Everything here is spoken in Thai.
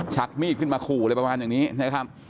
ชักมีดขึ้นมาขู่อะไรประมาณอย่างนี้นะครับ